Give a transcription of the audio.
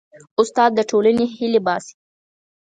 استاد د ټولنې هیلې باسي.